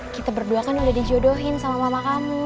kita berdua kan udah dijodohin sama mama kamu